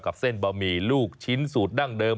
เส้นบะหมี่ลูกชิ้นสูตรดั้งเดิม